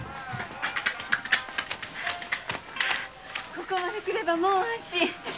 ここまで来ればもう安心。